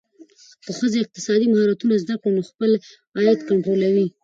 که ښځه اقتصادي مهارتونه زده کړي، نو خپل عاید کنټرولوي.